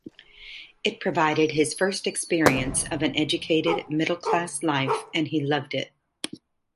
It provided his first experience of an educated, middle-class life, and he loved it.